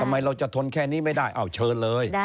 ทำไมเราจะทนแค่นี้ไม่ได้เอาเชิญเลย